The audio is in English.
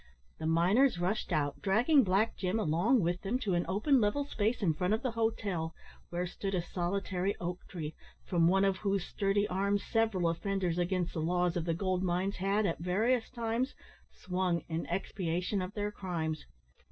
The miners rushed out, dragging Black Jim along with them to an open level space in front of the hotel, where stood a solitary oak tree, from one of whose sturdy arms several offenders against the laws of the gold mines had, at various times, swung in expiation of their crimes.